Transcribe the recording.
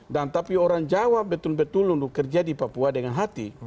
dan tapi orang jawa betul betul kerja di papua dengan hati